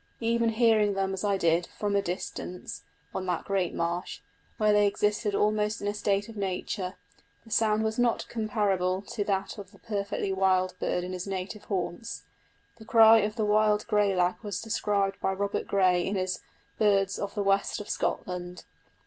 Even hearing them as I did, from a distance, on that great marsh, where they existed almost in a state of nature, the sound was not comparable to that of the perfectly wild bird in his native haunts. The cry of the wild grey lag was described by Robert Gray in his Birds of the West of Scotland.